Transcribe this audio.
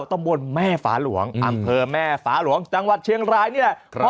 ตำบลแม่ฝาหลวงอำเภอแม่ฟ้าหลวงจังหวัดเชียงรายนี่แหละ